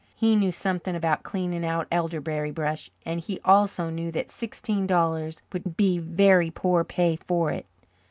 He knew something about cleaning out elderberry brush, and he also knew that sixteen dollars would be very poor pay for it.